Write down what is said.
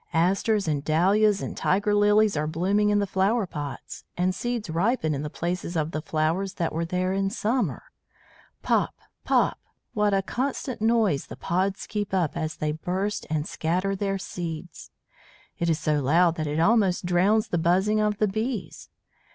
"Asters and dahlias and tiger lilies are blooming in the flower plots, and seeds ripen in the places of the flowers that were there in summer. Pop, pop! What a constant noise the pods keep up as they burst and scatter their seeds. It is so loud that it almost drowns the buzzing of the bees.